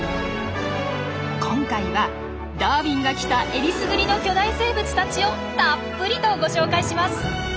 今回は「ダーウィンが来た！」えりすぐりの巨大生物たちをたっぷりとご紹介します！